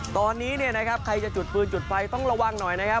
ตอนนี้เนี่ยนะครับใครจะจุดปืนจุดไฟต้องระวังหน่อยนะครับ